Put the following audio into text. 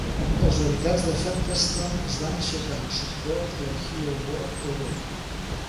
Els habitants de Fenstanton es van aixecar en suport de Hereward the Wake.